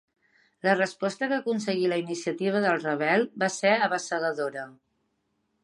La resposta que aconseguí la iniciativa del Ravel va ser abassegadora.